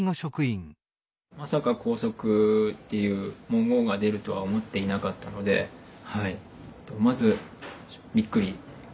まさか拘束っていう文言が出るとは思っていなかったのでまずびっくり。